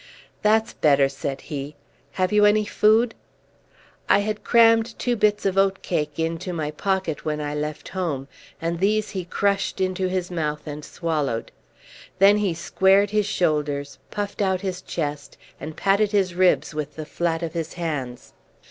"That's better," said he. "Have you any food?" I had crammed two bits of oat cake into my pocket when I left home, and these he crushed into his mouth and swallowed. Then he squared his shoulders, puffed out his chest, and patted his ribs with the flat of his hands.